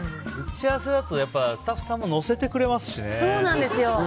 打ち合わせだとスタッフさんも乗せてくれますしね。